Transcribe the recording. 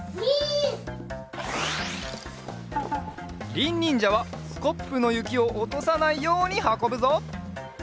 りんにんじゃはスコップのゆきをおとさないようにはこぶぞ。